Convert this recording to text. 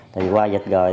thì qua dịch rồi